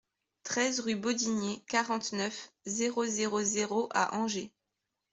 treize rue Bodinier, quarante-neuf, zéro zéro zéro à Angers